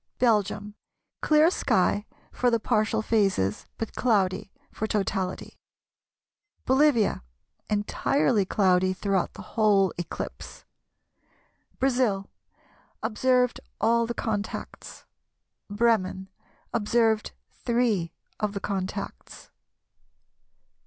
Belgium, Clear sky for the partial phases, but cloudy for totality. Bolivia, Entirely cloudy throughout the whole eclipse. Brazil, Observed all the contacts. Bremen, Observed three of the contacts.